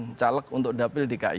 yang caleg untuk dapil dki